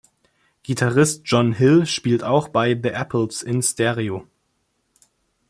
Gitarrist John Hill spielt auch bei The Apples in Stereo.